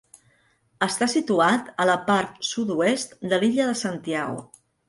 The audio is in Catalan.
Està situat a la part sud-oest de l'illa de Santiago.